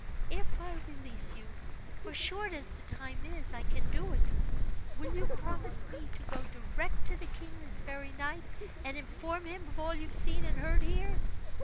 If I release you for short as the time is, I can do it will you promise me to go direct to the king this very night, and inform him of all you've seen and heard here?"